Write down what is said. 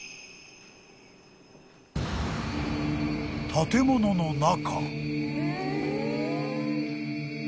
［建物の中］